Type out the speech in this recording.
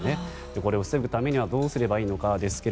これを防ぐためにはどうすればいいのか。